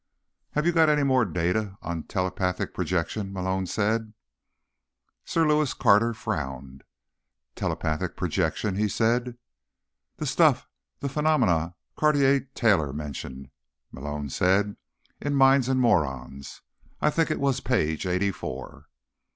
"Have you got any more data on telepathic projection?" Malone said. Sir Lewis Carter frowned. "Telepathic projection?" he said. "The stuff—the phenomenon Cartier Taylor mentioned," Malone said, "in Minds and Morons. I think it was page eighty four."